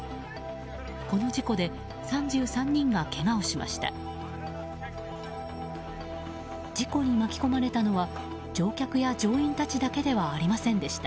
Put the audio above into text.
この事故で３３人がけがをしました。